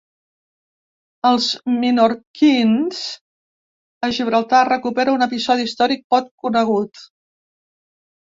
Els ‘minorkeeens’ a Gibraltar recupera un episodi històric poc conegut.